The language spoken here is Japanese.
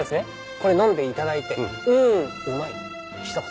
これ飲んでいただいて「うーん。うまい」一言。